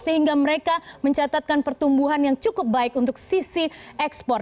sehingga mereka mencatatkan pertumbuhan yang cukup baik untuk sisi ekspor